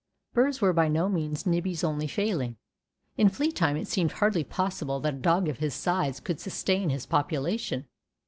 Burrs were by no means Nibbie's only failing. In flea time it seemed hardly possible that a dog of his size could sustain his population.